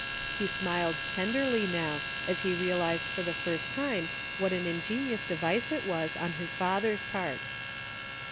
144 PHOTOGRAPHS. He smiled tenderly, now, as he realized for the first time what an ingenious device it was, on his father's part.